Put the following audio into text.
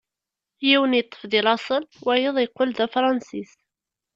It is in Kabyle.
Yiwen yeṭṭef deg laṣel, wayeḍ yeqqel d Afransis.